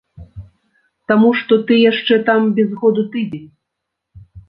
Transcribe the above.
Таму што ты яшчэ там без году тыдзень.